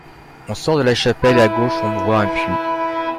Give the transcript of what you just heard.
On sort de la chapelle, et à gauche on voit un puits.